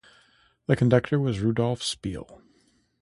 The conductor was Rudolph Speil.